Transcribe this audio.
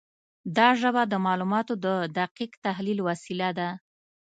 دا ژبه د معلوماتو د دقیق تحلیل وسیله ده.